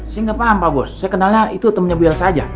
saya gak paham pak bos saya kenalnya itu temennya bu elsa aja